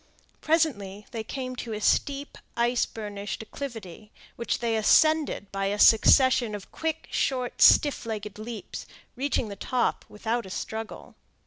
Presently they came to a steep, ice burnished acclivity, which they ascended by a succession of quick, short, stiff legged leaps, reaching the top without a struggle.